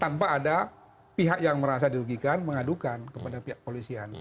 tanpa ada pihak yang merasa dirugikan mengadukan kepada pihak polisian